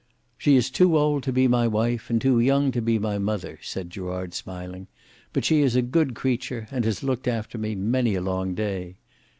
"She is too old to be my wife, and too young to be my mother," said Gerard smiling; "but she is a good creature, and has looked after me many a long day.